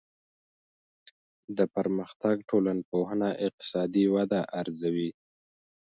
د پرمختګ ټولنپوهنه اقتصادي وده ارزوي.